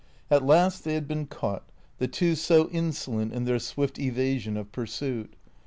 At last they had been caught, the two so insolent in their swift evasion of pursuit.